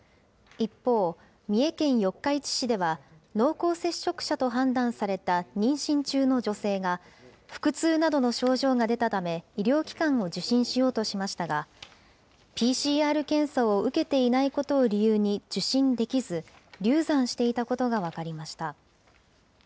一方、三重県四日市市では、濃厚接触者と判断された妊娠中の女性が、腹痛などの症状が出たため、医療機関を受診しようとしましたが、ＰＣＲ検査を受けていないことを理由に受診できず、流産していたことが分かりました。